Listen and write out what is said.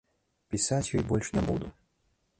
Пісаць ёй больш не буду.